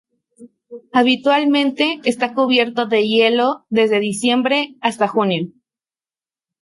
Habitualmente está cubierto de hielo desde diciembre hasta junio.